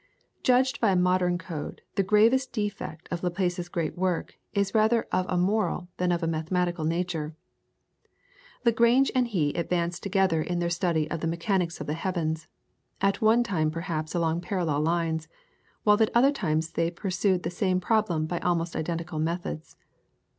Judged by a modern code the gravest defect of Laplace's great work is rather of a moral than of a mathematical nature. Lagrange and he advanced together in their study of the mechanics of the heavens, at one time perhaps along parallel lines, while at other times they pursued the same problem by almost identical methods.